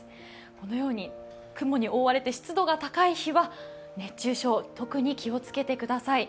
このように雲に覆われて湿度が高い日は熱中症、特に気をつけてください。